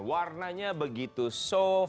warnanya begitu soft